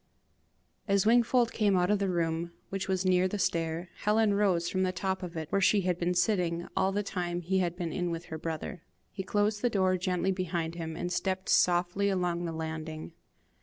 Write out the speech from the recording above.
As Wingfold came out of the room, which was near the stair, Helen rose from the top of it, where she had been sitting all the time he had been with her brother. He closed the door gently behind him, and stepped softly along the landing.